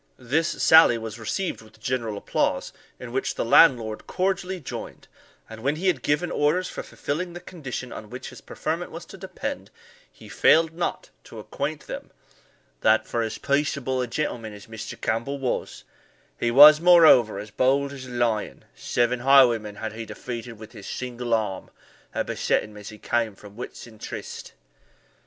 This sally was received with general applause, in which the landlord cordially joined; and when he had given orders for fulfilling the condition on which his preferment was to depend, he failed not to acquaint them, "that, for as peaceable a gentleman as Mr. Campbell was, he was, moreover, as bold as a lion seven highwaymen had he defeated with his single arm, that beset him as he came from Whitson Tryste."